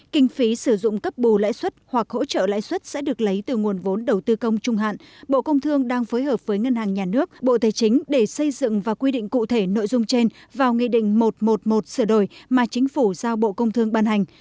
kinh phí sử dụng cấp bù lãi suất hoặc hỗ trợ lãi suất sẽ được lấy từ nguồn vốn đầu tư công trung hạn bộ công thương đang phối hợp với ngân hàng nhà nước bộ thế chính để xây dựng và quy định cụ thể nội dung trên vào nghị định một trăm một mươi một sửa đổi mà chính phủ giao bộ công thương ban hành